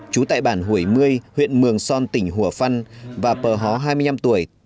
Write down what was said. chú tại bản hủy mươi huyện mường son tỉnh hùa phân và pờ hó hai mươi năm tuổi